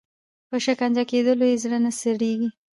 په شکنجه کېدلو یې زړه نه سړیږي.